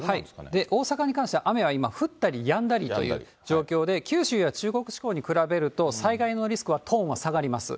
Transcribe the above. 大阪に関しては、雨は今、降ったりやんだりという状況で、九州や中国地方に比べると、災害のリスクはトーンは下がります。